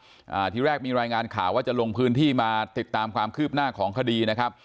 อ่าทีแรกมีรายงานข่าวว่าจะลงพื้นที่มาติดตามความคืบหน้าของคดีนะครับ